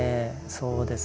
そうですね